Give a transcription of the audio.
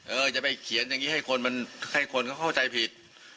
เออจะไปเขียนอย่างนี้ให้คนเข้าใจผิด